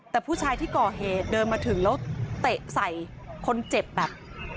แต่ผู้ชายที่ก่อเหตุเดินมาถึงแล้วเตะใส่คนเจ็บแบบ